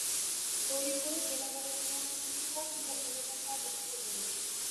গৌরীপুরে বিনোদনের জন্য একটি শিশুপার্ক কিংবা বিনোদন পার্ক অত্যন্ত জরুরি।